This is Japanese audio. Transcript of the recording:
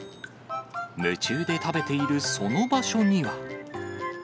夢中で食べているその場所には。